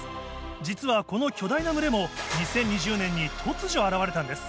実はこの巨大な群れも２０２０年に突如現れたんです。